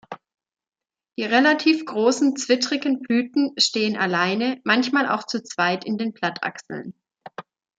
Die relativ großen, zwittrigen Blüten stehen alleine, manchmal auch zu zweit in den Blattachseln.